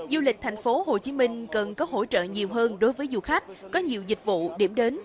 du lịch tp hcm cần có hỗ trợ nhiều hơn đối với du khách có nhiều dịch vụ điểm đến